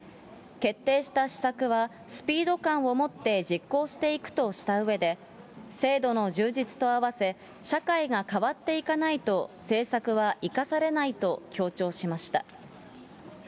岸田総理は視察のあと、政府の少子化対策について、決定した施策はスピード感を持って実行していくとしたうえで、制度の充実と合わせ、社会が変わっていかないと政策は生かされないと強調しました。